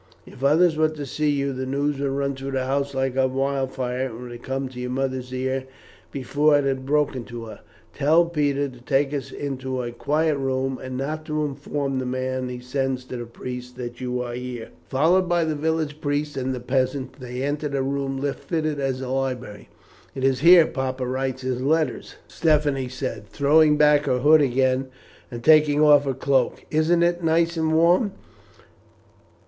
"If others were to see you the news would run through the house like wildfire, and it would come to your mother's ears before it had been broken to her. Tell Peter to take us into a quiet room, and not to inform the man he sends to the priest that you are here." Followed by the village priest and the peasant they entered a room fitted as a library. "It is here papa writes his letters," Stephanie said, throwing back her hood again and taking off her cloak; "isn't it nice and warm?"